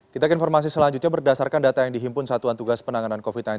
kita ke informasi selanjutnya berdasarkan data yang dihimpun satuan tugas penanganan covid sembilan belas